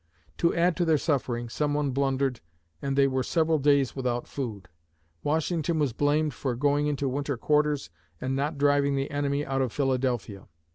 To add to their suffering, someone blundered, and they were several days without food. Washington was blamed for going into winter quarters and not driving the enemy out of Philadelphia.